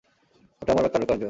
ওটা আমার কারুকার্য?